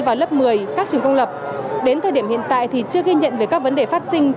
vào lớp một mươi các trường công lập đến thời điểm hiện tại thì chưa ghi nhận về các vấn đề phát sinh